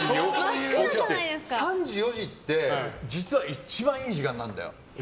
３時、４時って実は一番いい時間なんだよ。